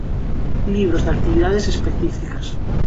Libros de actividades específicas.